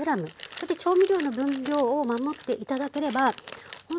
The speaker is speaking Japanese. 調味料の分量を守って頂ければほんとに便利。